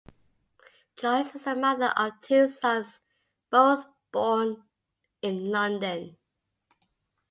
Joyce is the mother of two sons, both born in London.